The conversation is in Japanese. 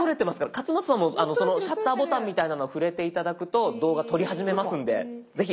勝俣さんもそのシャッターボタンみたいなのを触れて頂くと動画撮り始めますんで是非。